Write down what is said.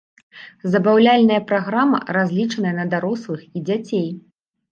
Забаўляльная праграма разлічаная на дарослых і дзяцей.